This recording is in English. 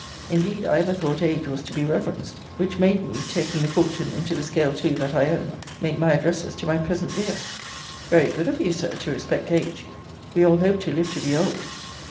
Indeed I ever thought age was to be reverenced, which made me (taking the fortune into the scale too, that I own) make my addresses to my present dear. Very good of you, Sir, to respect age: we all hope to live to be old.